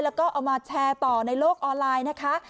แล้วก็เอามาแชร์ต่อในโลกออนไลน์นะคะ